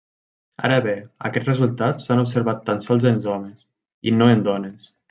Ara bé, aquests resultats s'han observat tan sols en homes i no en dones.